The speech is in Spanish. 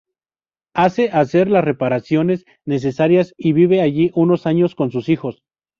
Hace hacer las reparaciones necesarias y vive allí unos años con sus hijos.